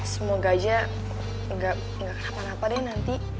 semoga aja gak kenapa napa deh nanti